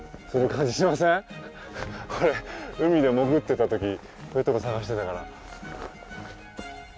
俺海で潜ってた時こういうとこ探してたから。